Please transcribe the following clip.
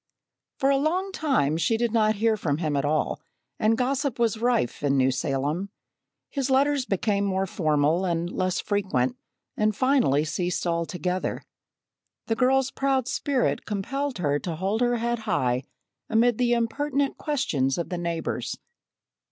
For a long time she did not hear from him at all, and gossip was rife in New Salem. His letters became more formal and less frequent and finally ceased altogether. The girl's proud spirit compelled her to hold her head high amid the impertinent questions of the neighbors.